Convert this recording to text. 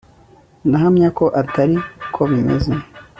ndahamya ko atari ko bimeze